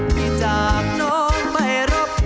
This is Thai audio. พี่จากนอนไม่รบ